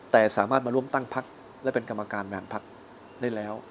แต่สามารถมาร่วมตั้งพักและเป็นกรรมการบริหารพักได้แล้ว